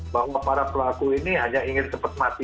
bahwa para pelaku ini hanya ingin cepat mati